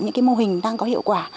những cái mô hình đang có hiệu quả